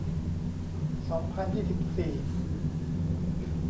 สองพันยี่สิบสี่